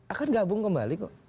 akan gabung kembali kok